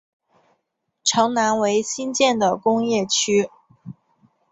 城南为新建的工业区。